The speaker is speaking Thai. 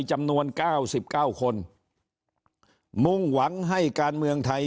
จำนวน๙๙คนมุ่งหวังให้การเมืองไทย